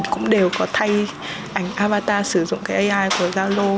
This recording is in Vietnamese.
cũng đều có thay ảnh avatar sử dụng cái ai của zalo